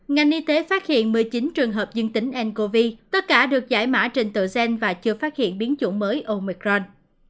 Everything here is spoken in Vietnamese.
ngành y tế phát hiện một mươi chín trường hợp dân tính ncov tất cả được giải mã trên tựa gen và chưa phát hiện biến chủng mới omicron